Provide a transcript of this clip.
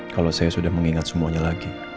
kalau saya sudah mengingat semuanya lagi